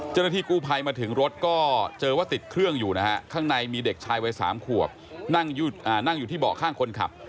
เจ้าหน้าที่กู้ภัยมาถึงรถก็เจอว่าติดเครื่องอยู่นะฮะข้างในมีเด็กชายวัย๓ขวบนั่งอยู่ที่เบาะข้างคนขับ